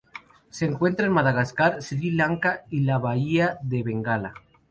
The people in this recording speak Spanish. Se encuentra en Madagascar Sri Lanka y la Bahía de Bengala.